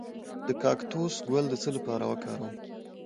د کاکتوس ګل د څه لپاره وکاروم؟